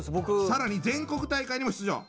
更に全国大会にも出場。